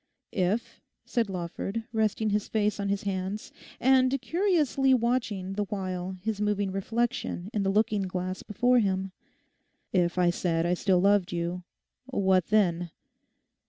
'If,' said Lawford, resting his face on his hands, and curiously watching the while his moving reflection in the looking glass before him—'if I said I still loved you, what then?